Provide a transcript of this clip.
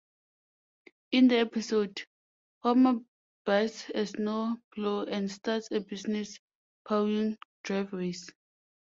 In the episode, Homer buys a snow plow and starts a business plowing driveways.